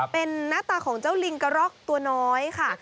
เป็นหน้าตาของเจ้าลิงกระรอกตัวน้อยค่ะ